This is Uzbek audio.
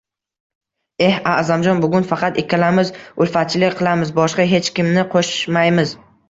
– Eh A’zamjon, bugun faqat ikkalamiz ulfatchilik qilamiz, boshqa hech kimni qo’shmaymiz.